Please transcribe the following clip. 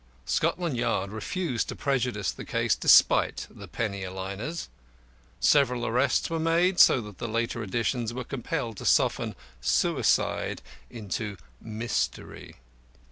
Scotland Yard refused to prejudice the case despite the penny a liners. Several arrests were made, so that the later editions were compelled to soften "Suicide" into "Mystery."